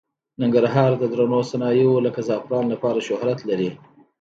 ننګرهار د درنو صنایعو لکه زعفرانو لپاره شهرت لري.